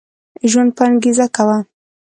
ژوند په انګيزه کوه